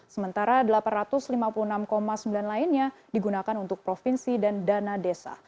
sementara delapan ratus lima puluh enam sembilan lainnya digunakan untuk provinsi dan dana desa